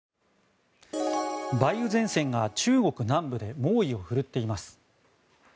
梅雨前線が中国南部で猛威を振るっています。